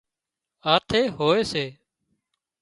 هاٿِي هوئي سي